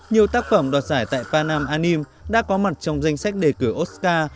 nhiều tác phẩm đoạt giải tại panam anim đã có mặt trong danh sách đề cử oscar